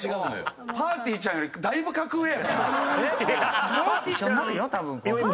ぱーてぃーちゃんよりだいぶ格上やから。